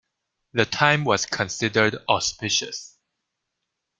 The time was considered auspicious.